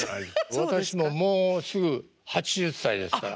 私ももうすぐ８０歳ですから。